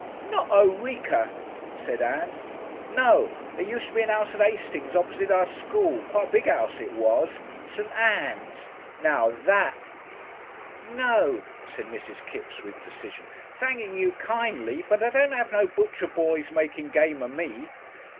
"Not Oreeka!" said Ann. "No! There used to be a 'ouse at Hastings opposite our school quite a big 'ouse it was St. Ann's. Now that " "No," said Mrs. Kipps with decision. "Thanking you kindly, but I don't have no butcher boys making game of me."...